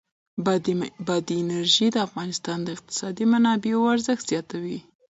بادي انرژي د افغانستان د اقتصادي منابعو ارزښت زیاتوي.